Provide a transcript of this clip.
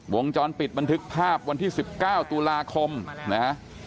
วงจรปิดบันทึกภาพวันที่๑๙ตุลาคมนะฮะ